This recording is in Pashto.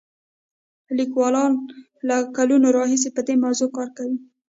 لیکوالان له کلونو راهیسې په دې موضوع کار کوي.